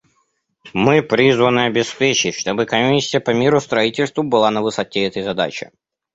Мы призваны обеспечить, чтобы Комиссия по миростроительству была на высоте этой задачи.